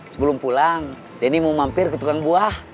sebelum pulang denny mau mampir ketukang buah